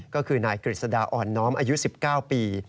ก็คือนายกฤษดาอ่อนน้อมอายุ๑๙ปี